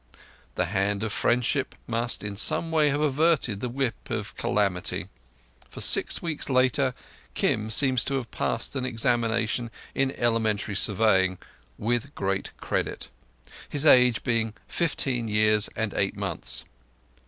The Hand of Friendship must in some way have averted the Whip of Calamity, for six weeks later Kim seems to have passed an examination in elementary surveying "with great credit", his age being fifteen years and eight months.